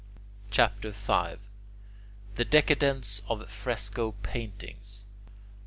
CHAPTER V THE DECADENCE OF FRESCO PAINTING 1.